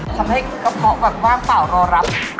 ทำให้กระเพาะแบบว่างเปล่ารอรับ